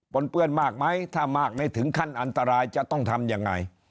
นเปื้อนมากไหมถ้ามากไม่ถึงขั้นอันตรายจะต้องทำยังไง